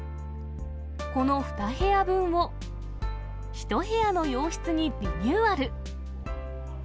この２部屋分を、１部屋の洋室にリニューアル。